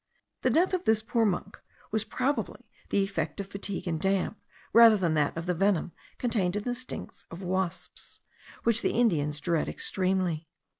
The death of this poor monk was probably the effect of fatigue and damp, rather than of the venom contained in the stings of wasps, which the Indians dread extremely.